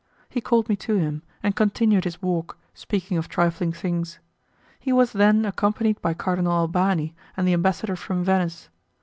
He called me to him, and continued his walk, speaking of trifling things. He was then accompanied by Cardinal Albani and the ambassador from Venice.